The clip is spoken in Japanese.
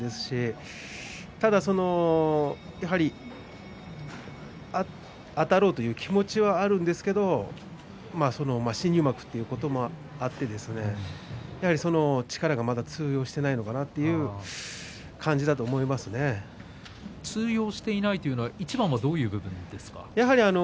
ただ、あたろうという気持ちはあるんですが新入幕ということもあって力がまだ通用していないのかなと通用していないというのはいちばんどういうところがですか。